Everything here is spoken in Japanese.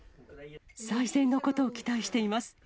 最善のことを期待しています。